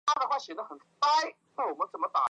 殿试登进士第三甲第一百名。